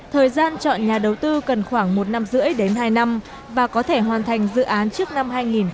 thời gian chọn nhà đầu tư cần khoảng một năm rưỡi đến hai năm và có thể hoàn thành dự án trước năm hai nghìn hai mươi